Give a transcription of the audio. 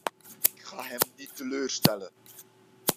Ik ga hem niet teleurstellen.